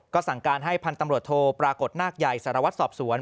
ก็สั่งการให้พันธุ์ตำรวจโทปรากฏนาคใหญ่สารวัตรสอบสวน